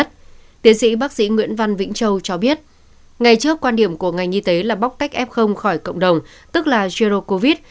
trước quan điểm của ngành y tế là bóc tách f khỏi cộng đồng tức là gerocovid